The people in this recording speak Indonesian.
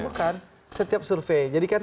bukan setiap survei